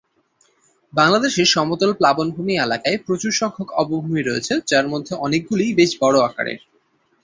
বাংলাদেশের সমতল প্লাবনভূমি এলাকায় প্রচুর সংখ্যক অবভূমি রয়েছে যার মধ্যে অনেকগুলিই বেশ বড় আকারের।